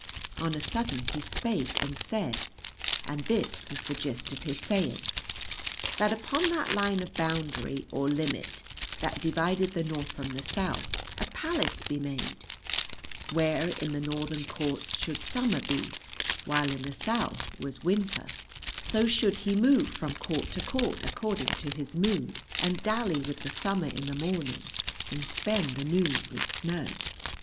On a sudden he spake and said, and this was the gist of his saying, that upon that line of boundary or limit that divided the North from the South a palace be made, where in the Northern courts should summer be, while in the South was winter; so should he move from court to court according to his mood, and dally with the summer in the morning and spend the noon with snow.